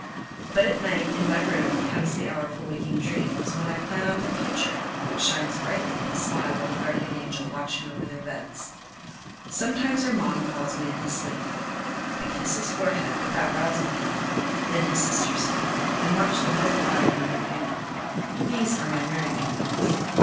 But at night, in my room, comes the hour for waking dreams, when I plan out their future, which shines brightly in the smile of the guardian angel, watching over their beds. Sometimes Armand calls me in his sleep; I kiss his forehead (without rousing him), then his sister's feet, and watch them both lying in their beauty. These are my merry makings!